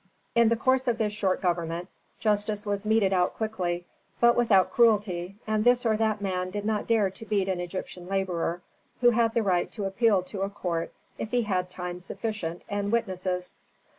In the course of this short government, justice was meted out quickly, but without cruelty, and this or that man did not dare to beat an Egyptian laborer, who had the right to appeal to a court if he had time sufficient and witnesses.